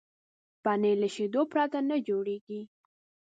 پنېر له شیدو پرته نه جوړېږي.